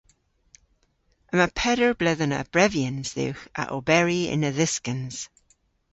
Yma peder bledhen a brevyans dhywgh a oberi yn a-dhyskans.